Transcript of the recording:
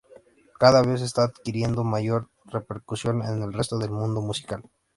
Cada vez está adquiriendo mayor repercusión en el resto del mundo musical.